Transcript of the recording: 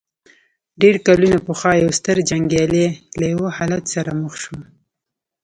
ډېر کلونه پخوا يو ستر جنګيالی له يوه حالت سره مخ شو.